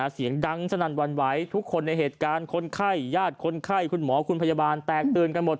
เสียงดังสนั่นวันไหวทุกคนในเหตุการณ์คนไข้ญาติคนไข้คุณหมอคุณพยาบาลแตกตื่นกันหมด